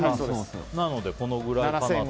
なので、このくらいかなと。